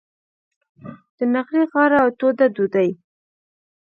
د نغري غاړه او توده ډوډۍ.